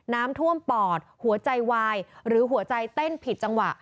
น้ำท่วมปอดหัวใจวายหรือหัวใจเต้นผิดจังหวะ